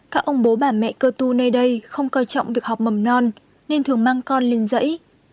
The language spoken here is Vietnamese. các ông bố bà mẹ cơ tu nơi đây không coi trọng việc học mầm non nên thường mang con lên dãy